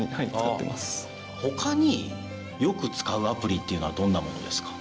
他によく使うアプリっていうのはどんなものですか？